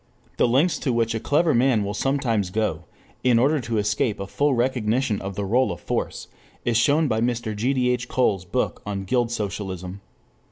2 The lengths to which a clever man will sometimes go in order to escape a full recognition of the role of force is shown by Mr. G. D. H. Cole's book on Guild Socialism.